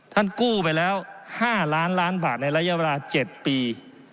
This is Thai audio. กู้ไปแล้ว๕ล้านล้านบาทในระยะเวลา๗ปี